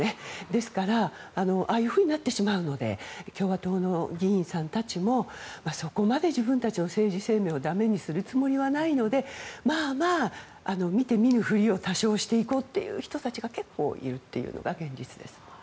ですから、ああいうふうになってしまうので共和党の議員さんたちもそこまで自分たちの政治生命をだめにするつもりはないのでまあ、見て見ぬふりを多少、していこうという人が結構いるというのが現実です。